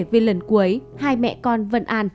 về lần cuối hai mẹ con vân an